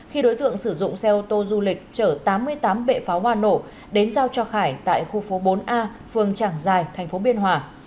khi đối tượng sử dụng xe ô tô du lịch chở tám mươi tám bệ pháo hoa nổ đến giao cho khải tại khu phố bốn a phường trảng giài tp biên hòa